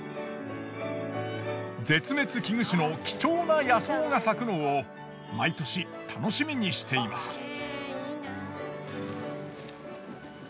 絶滅危惧種の貴重な野草が咲くのを毎年楽しみにしています。